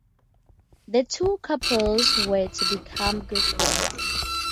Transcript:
The two couples were to become good friends.